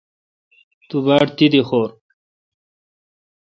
تو باڑ تیدی خور۔